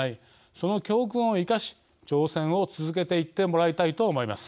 その教訓を生かし挑戦を続けていってもらいたいと思います。